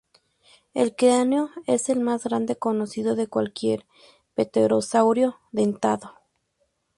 El cráneo es el más grande conocido de cualquier pterosaurio dentado.